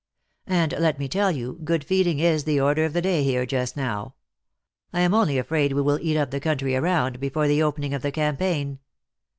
And, let me tell you, good feeding is the order of the day here just now. I am only afraid we will eat up the country around, before the opening of the campaign.